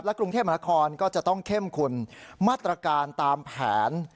กรุงเทพมหานครก็จะต้องเข้มขุนมาตรการตามแผน